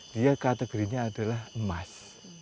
dia kategorinya adalah emas